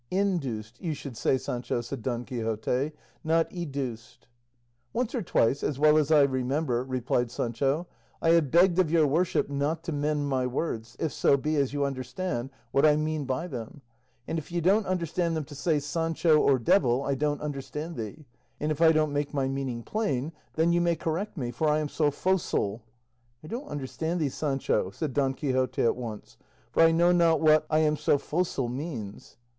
"Induced, you should say, Sancho," said Don Quixote; "not educed." "Once or twice, as well as I remember," replied Sancho, "I have begged of your worship not to mend my words, if so be as you understand what I mean by them; and if you don't understand them to say 'Sancho,' or 'devil,' 'I don't understand thee; and if I don't make my meaning plain, then you may correct me, for I am so focile " "I don't understand thee, Sancho," said Don Quixote at once; "for I know not what 'I am so focile' means."